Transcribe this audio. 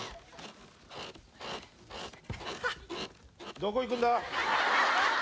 どこ行くんだ？